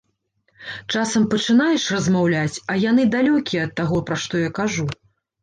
Часам пачынаеш размаўляць, а яны далёкія ад таго, пра што я кажу.